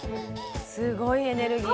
すごいエネルギー。